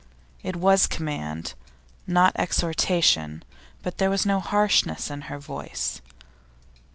It was command, not exhortation, but there was no harshness in her voice.